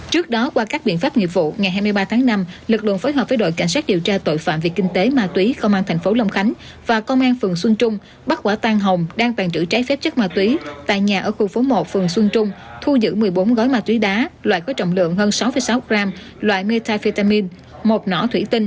trước đó qua các biện pháp nghiệp vụ ngày hai mươi ba tháng năm lực lượng phối hợp với đội cảnh sát điều tra tội phạm về kinh tế ma túy công an thành phố long khánh và công an phường xuân trung bắt quả tan hồng đang tàn trữ trái phép chất ma túy tại nhà ở khu phố một phường xuân trung thu giữ một mươi bốn gói ma túy đá loại có trọng lượng hơn sáu sáu gram loại metafetamin một nỏ thủy tinh